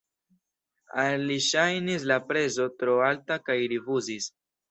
Al li ŝajnis la prezo tro alta kaj rifuzis.